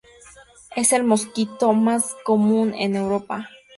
Es el mosquito más común en Europa.